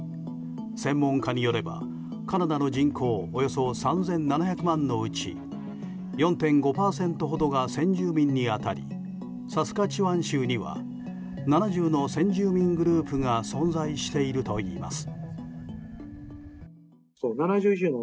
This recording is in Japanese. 専門家によればカナダの人口およそ３７００万のうち４．５％ほどが先住民に当たりサスカチワン州には７０の先住民グループが存在しているといいます。